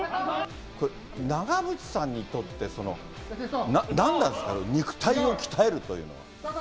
これ、長渕さんにとって、その何なんですか、肉体を鍛えるというのは。